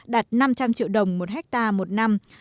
đạt năm trăm linh triệu đồng một hectare một năm